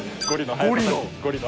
ゴリの？